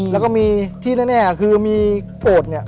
แล้วก็มีที่แน่คือมีโกรธเนี่ย